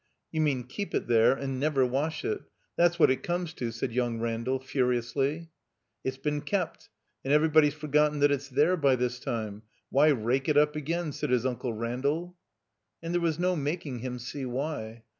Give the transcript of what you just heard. "You mean keep it there and never wash it. That's what it comes to," said young Randall, furiously. "It's been kept. And everybody's forgotten that it's there by this time. Why rake it up again?" said his Uncle Randall. And there was no making him see why.